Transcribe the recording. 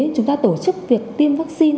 chúng ta tổ chức việc tiêm vaccine